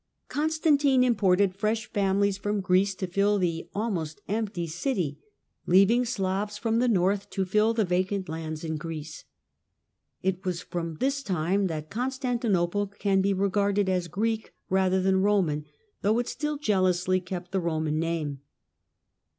Jonstantine imported fresh families from Greece to fill he almost empty city, leaving Slavs from the north to ill the vacant lands in Greece. It is from this time hat Constantinople can be regarded as Greek rather han Roman, though it still jealously kept the Roman tame.